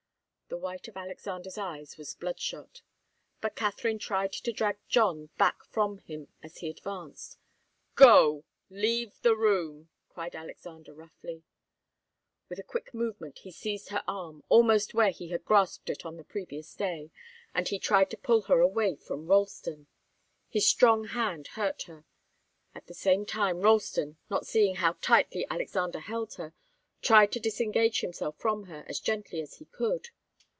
The white of Alexander's eyes was bloodshot. But Katharine tried to drag John back from him as he advanced. "Go! Leave the room!" cried Alexander, roughly. With a quick movement he seized her arm, almost where he had grasped it on the previous day, and he tried to pull her away from Ralston. His strong hand hurt her. At the same time Ralston, not seeing how tightly Alexander held her, tried to disengage himself from her, as gently as he could.